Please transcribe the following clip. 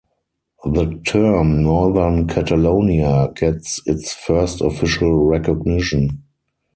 The term Northern Catalonia gets its first official recognition.